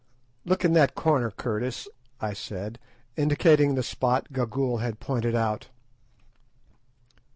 _" "Look in that corner, Curtis," I said, indicating the spot Gagool had pointed out.